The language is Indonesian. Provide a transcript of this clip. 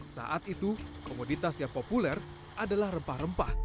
saat itu komoditas yang populer adalah rempah rempah